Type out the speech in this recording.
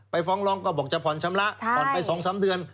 ฟ้องร้องก็บอกจะผ่อนชำระผ่อนไป๒๓เดือน